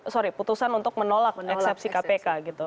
sorry putusan untuk menolak eksepsi kpk gitu